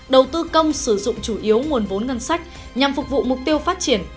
đầu tư công sử dụng chủ yếu nguồn vốn ngân sách nhằm phục vụ mục tiêu phát triển